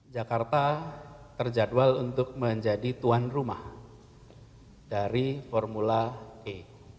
jakarta terjadwal untuk menjadi tuan rumah dari formula e